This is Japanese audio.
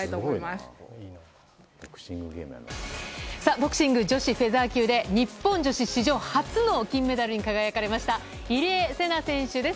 ボクシング女子フェザー級で日本女子史上初の金メダルに輝かれました入江聖奈選手です。